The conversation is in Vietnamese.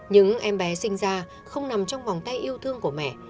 những em bé sinh ra không nằm trong vòng tay yêu thương của mẹ